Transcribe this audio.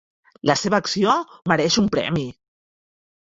La seva acció mereix un premi.